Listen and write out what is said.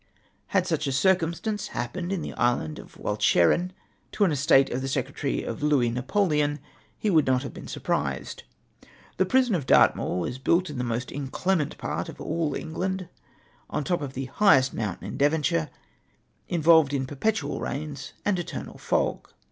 Had such a circumstance happened in the island of Walcheren to an estate of the Secretary of Louis Napoleon, he would not have been surprised. The prison of Dartmoor was built in the most inclement part of all England, on the top of the highest mountain in Devonshire, involved in per petual rains and eternal fog.